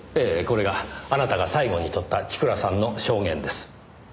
これがあなたが最後にとった千倉さんの証言です。